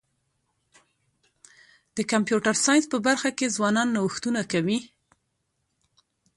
د کمپیوټر ساینس په برخه کي ځوانان نوښتونه کوي.